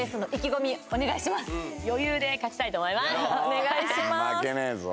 お願いします